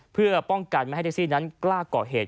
เพื่อป้องกันไม่ให้แท็กซี่นั้นกล้าก่อเหตุ